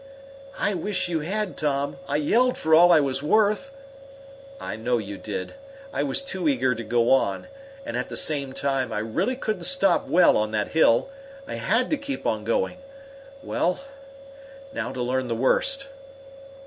"I wish you had, Tom. I yelled for all I was worth." "I know you did. I was too eager to go on, and, at the same time, I really couldn't stop well on that hill. I had to keep on going. Well, now to learn the worst!"